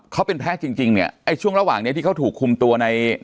เขาเป็นแพ้จริงจริงเนี่ยไอ้ช่วงระหว่างเนี้ยที่เขาถูกคุมตัวใน